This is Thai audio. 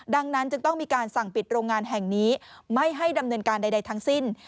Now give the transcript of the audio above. ดังนั้นจึงต้องมีการสั่งปิดโรงงานแห่งนี้ไม่ให้ดำเนินการใดทั้งสิ้น